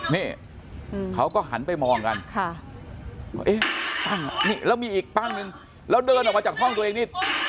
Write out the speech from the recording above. นี่เขาก็หานไปมองกันนี่มีอีกปั้งนึงเดินออกจากห้องตัวเองนี้